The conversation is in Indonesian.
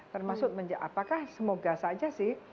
termasuk apakah semoga saja sih